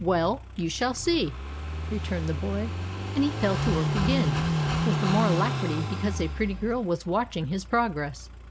"Well—you shall see," returned the boy; and he fell to work again with the more alacrity because a pretty girl was watching his progress.